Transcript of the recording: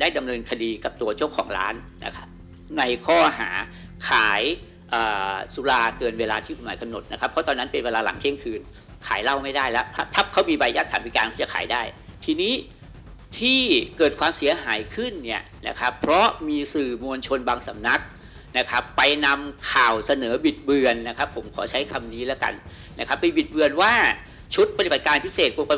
ได้ดำเนินคดีกับตัวเจ้าของร้านนะครับในข้อหาขายสุราเกินเวลาที่กฎหมายกำหนดนะครับเพราะตอนนั้นเป็นเวลาหลังเที่ยงคืนขายเหล้าไม่ได้แล้วถ้าเขามีใบยัดฐานพิการที่จะขายได้ทีนี้ที่เกิดความเสียหายขึ้นเนี่ยนะครับเพราะมีสื่อมวลชนบางสำนักนะครับไปนำข่าวเสนอบิดเบือนนะครับผมขอใช้คำนี้แล้วกันนะครับไปบิดเบือนว่าชุดปฏิบัติการพิเศษป